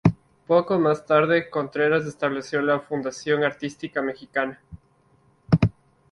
Poco más tarde Contreras estableció la Fundación Artística Mexicana.